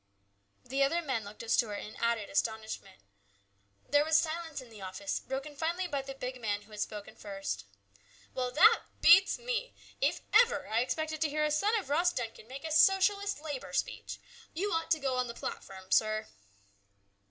The other men looked at Stuart in added astonishment. There was silence in the office, broken finally by the big man who had spoken first :" Well, that beats me ! If I ever expected to hear a son of Ross Duncan make a socialistic labour speech ! You ought to go on the platform, sir